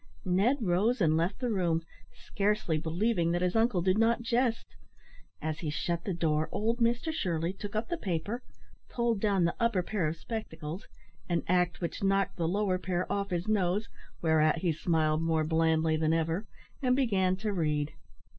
Ned rose and left the room, scarcely believing that his uncle did not jest. As he shut the door, old Mr Shirley took up the paper, pulled down the upper pair of spectacles an act which knocked the lower pair off his nose, whereat he smiled more blandly than ever and began to read.